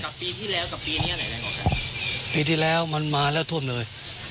ปีที่แล้วกับปีเนี้ยไหนแรงกว่ากันปีที่แล้วมันมาแล้วท่วมเลย